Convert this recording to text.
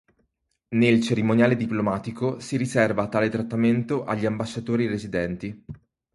Nel cerimoniale diplomatico, si riserva tale trattamento agli ambasciatori residenti.